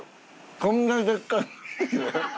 こんなにでっかい。